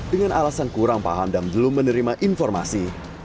dengan alasan kurang paham dan belum menerima informasi